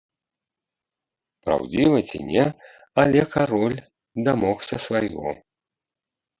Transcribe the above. Праўдзіва ці не, але кароль дамогся свайго.